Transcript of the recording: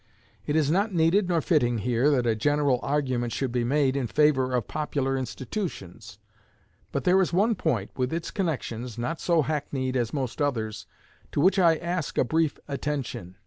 It is not needed nor fitting here, that a general argument should be made in favor of popular institutions; but there is one point, with its connections, not so hackneyed as most others, to which I ask a brief attention.